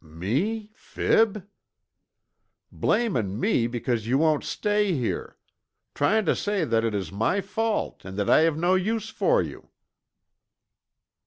"M me fib?" "Blaming me because you won't stay here! Trying to say that it is my fault, and that I have no use for you!"